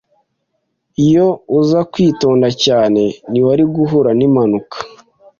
Iyo uza kwitonda cyane, ntiwari guhura nimpanuka.